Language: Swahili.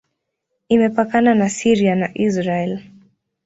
Imepakana na Syria na Israel.